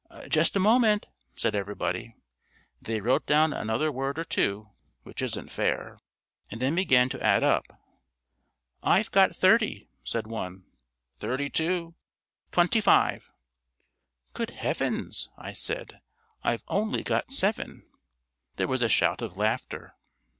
"Just a moment," said everybody. They wrote down another word or two (which isn't fair), and then began to add up. "I've got thirty," said one. "Thirty two." "Twenty five." "Good Heavens," I said, "I've only got seven." There was a shout of laughter.